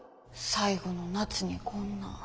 最後の夏にこんな。